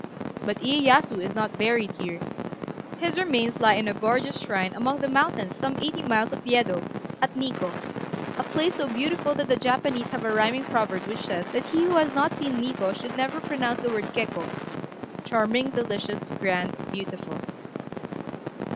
But Iyéyasu is not buried here; his remains lie in a gorgeous shrine among the mountains some eighty miles north of Yedo, at Nikkô, a place so beautiful that the Japanese have a rhyming proverb which says, that he who has not seen Nikkô should never pronounce the word Kekkô (charming, delicious, grand, beautiful).